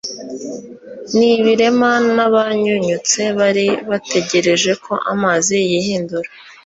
n'ibirema n'abanyunyutse bari bategereje ko amazi yihinduriza'"